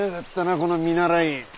この見習い！